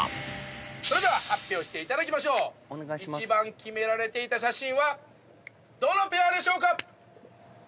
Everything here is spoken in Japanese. それでは発表してもらいましょう一番キメられていた写真はどのペアでしょうか？